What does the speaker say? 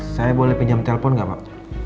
saya boleh pinjam telpon nggak pak